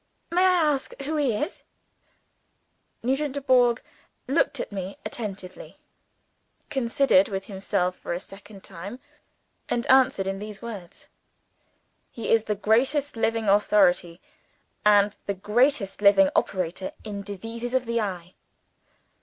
"May I ask who he is?" Nugent Dubourg looked at me attentively; considered with himself for the second time; and answered in these words: "He is the greatest living authority, and the greatest living operator, in diseases of the eye."